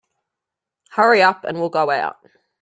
Hurry up and we'll go out.